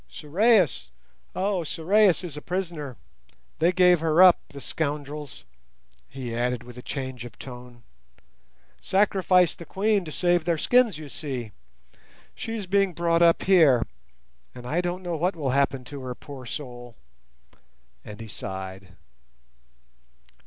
"Sorais—oh, Sorais is a prisoner; they gave her up, the scoundrels," he added, with a change of tone—"sacrificed the Queen to save their skins, you see. She is being brought up here, and I don't know what will happen to her, poor soul!" and he sighed.